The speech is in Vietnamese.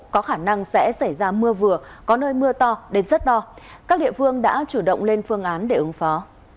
có khả năng sẽ xảy ra mưa vừa có nơi mưa to đến rất to các địa phương đã chủ động lên phương án để ứng phó